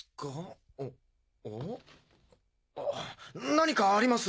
何かあります。